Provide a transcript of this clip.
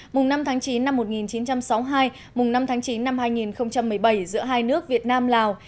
mùng năm tháng chín năm một nghìn chín trăm sáu mươi hai mùng năm tháng chín năm hai nghìn một mươi bảy giữa hai nước việt nam lào